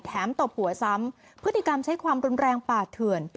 ตบหัวซ้ำพฤติกรรมใช้ความรุนแรงป่าเถื่อน